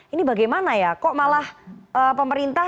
ini bagaimana ya kok malah pemerintah